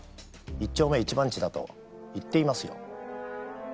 一丁目一番地だと言っていますよ。